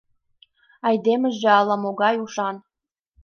Айдемыже але могай ушан!